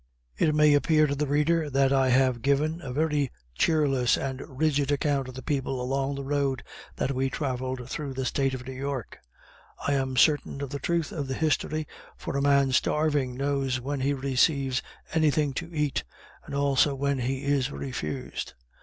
It may appear to the reader that I have given, a very cheerless and rigid account of the people along the road that we traveled through the State of New York; I am certain of the truth of the history, for a man starving knows when he receives any thing to eat, and also when he is refused.